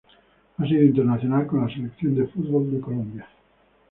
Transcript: Ha sido internacional con la Selección de fútbol de Colombia.